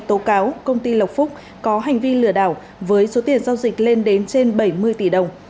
tố cáo công ty lộc phúc có hành vi lừa đảo với số tiền giao dịch lên đến trên bảy mươi tỷ đồng